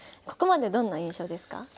ここまでどんな印象ですか？